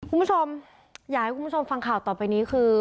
คุณผู้ชมอยากให้คุณผู้ชมฟังข่าวต่อไปนี้คือ